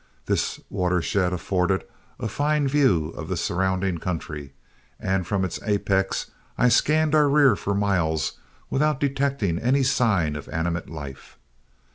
This watershed afforded a fine view of the surrounding country, and from its apex I scanned our rear for miles without detecting any sign of animate life.